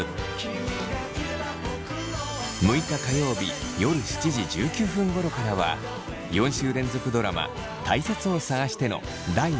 ６日火曜日夜７時１９分ごろからは４週連続ドラマ「たいせつを探して」の第２話を放送。